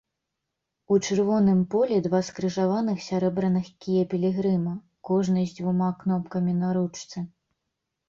У чырвоным полі два скрыжаваных сярэбраных кія пілігрыма, кожны з дзвюма кнопкамі на ручцы.